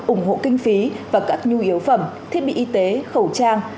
ủng hộ kinh phí và các nhu yếu phẩm thiết bị y tế khẩu trang